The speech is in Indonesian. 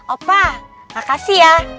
opa makasih ya